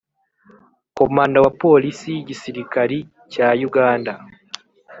komanda wa polisi y'igisirikari cya uganda